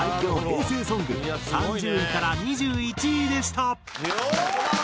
平成ソング３０位から２１位でした。